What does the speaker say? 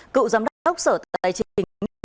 cựu giám đốc sở tài trình